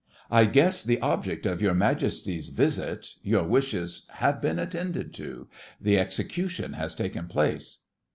I guess the object of your Majesty's visit—your wishes have been attended to. The execution has taken place.